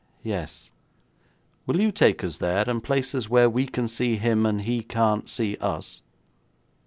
'Yes.' 'Will you take us there, and place us where we can see him and he can't see us?'